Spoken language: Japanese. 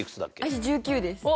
私１９です。